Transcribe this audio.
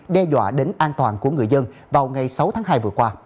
đe dọa đến an toàn của người dân vào ngày sáu tháng hai vừa qua